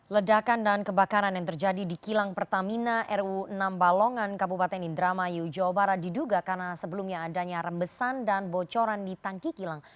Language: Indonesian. ledakan dan kebakaran yang terjadi di kilang pertamina ru enam balongan kabupaten indramayu jawa barat diduga karena sebelumnya adanya rembesan dan bocoran di tangki kilang